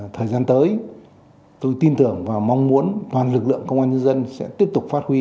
thời gian tới tôi tin tưởng và mong muốn toàn lực lượng công an nhân dân sẽ tiếp tục phát huy